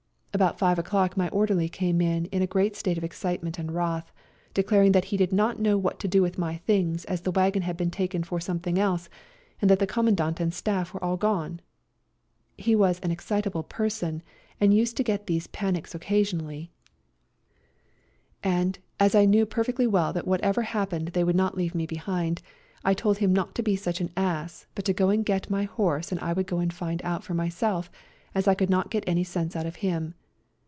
About five o'clock my orderly came in in a great state of excite ment and wrath, declaring that he did not know what to do with my things as the wagon had been taken for something else, and that the Commandant and staff were all gone. He was an excitable person, and used to get these panics occasionally, A COLD NIGHT RIDE 99 and, as I knew perfectly well that whatever happened they would not leave me behind, I told him not to be such an ass, but to go and get my horse and I would go and find out for myself, as I could not get any sense out of him.